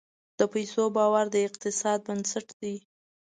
د پیسو باور د اقتصاد بنسټ دی.